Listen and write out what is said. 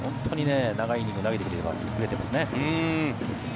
本当に長いイニングを投げてくれていますね。